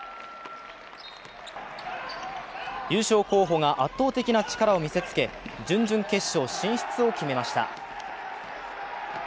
優勝候補が圧倒的な力を見せつけ準々決勝進出を決めました。